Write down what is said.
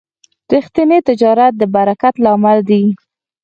ریښتینی تجارت د برکت لامل دی.